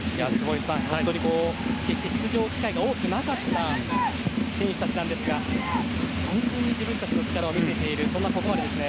坪井さん、本当に決して出場機会が多くなかった選手たちなんですが存分に自分たちの力を見せているここまでですね。